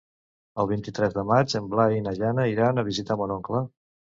El vint-i-tres de maig en Blai i na Jana iran a visitar mon oncle.